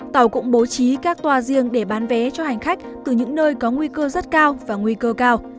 tàu cũng bố trí các tòa riêng để bán vé cho hành khách từ những nơi có nguy cơ rất cao và nguy cơ cao